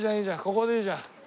ここでいいじゃん。